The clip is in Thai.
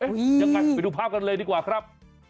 ยังไงไปดูภาพกันเลยดีกว่าครับ